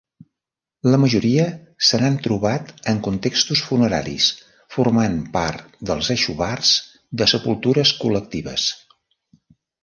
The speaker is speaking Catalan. La majoria se n'han trobat en contextos funeraris, formant part dels aixovars de sepultures col·lectives.